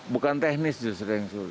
bukan teknis justru yang sulit